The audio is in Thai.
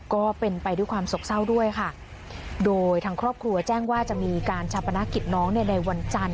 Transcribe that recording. ก็เป็นไปด้วยความสกเศร้าด้วยค่ะโดยทางครอบครัวแจ้งว่าจะมีการชาปนกิจน้องเนี่ยในวันจันทร์